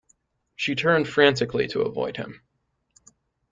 She turned frantically to avoid him.